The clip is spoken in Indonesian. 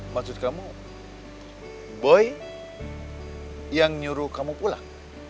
maksud kamu boy yang nyuruh kamu pulang